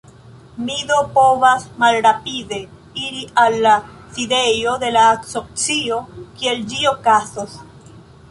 Mi do povas malrapide iri al la sidejo de la asocio, kie ĝi okazos.